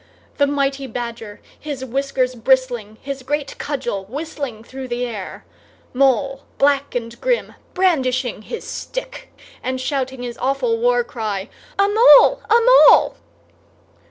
The mighty Badger, his whiskers bristling, his great cudgel whistling through the air; Mole, black and grim, brandishing his stick and shouting his awful war cry, "A Mole! A Mole!"